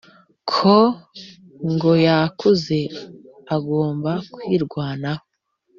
ko ngo yakuze agomba kwirwanaho,